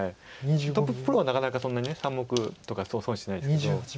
トッププロはなかなかそんなに３目とか損しないんですけど。